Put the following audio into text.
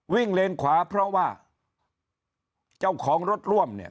เลนขวาเพราะว่าเจ้าของรถร่วมเนี่ย